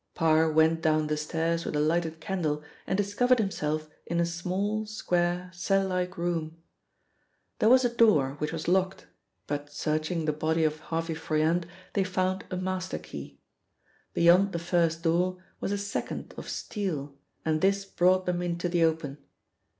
Parr went down the stairs with a lighted candle and discovered himself in a small, square, cell like room. There was a door, which was locked, but, searching the body of Harvey Froyant, they found a master key. Beyond the first door was a second of steel and this brought them into the open.